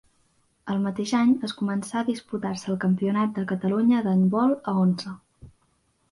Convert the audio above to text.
El mateix any es començà a disputar-se el Campionat de Catalunya d'handbol a onze.